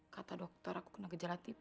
kata dokter aku kena gejala tip